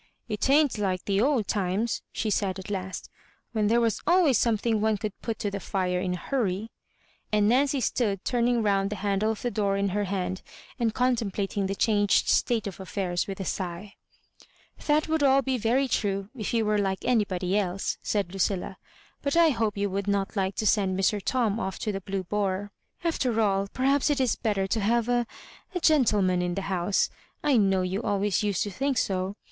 *' It ain't like the old times," she said at last, " when there was always something as one could put to the fire in a hurry ;" and Naor cy stood turning round the handle of the door in her hand, and contemplating the changed state of aSairs with a sigh. "That would be all very true, if you were like anybody else," saidLudlla; "but I hope you would not like to send Mr. Tom off to the Blue Boar. After all, perhaps it is better to have a — a gentleman in the house. I know you always used to think so.